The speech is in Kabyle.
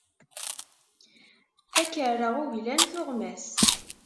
Ad k-rreɣ uglan tuɣmas.